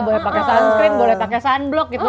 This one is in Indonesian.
boleh pakai sunscreen boleh pakai sunblock gitu